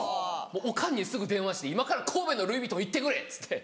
オカンにすぐ電話して「今から神戸のルイ・ヴィトン行ってくれ」っつって。